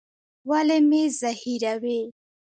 ولي مي زهيروې؟